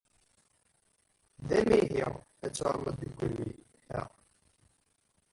D amihi ad tɛumeḍ deg ugelmim-a.